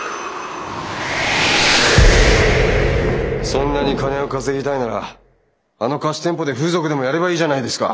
そんなに金を稼ぎたいならあの貸し店舗で風俗でもやればいいじゃないですか。